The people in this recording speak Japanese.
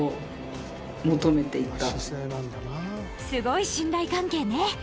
すごい信頼関係ね。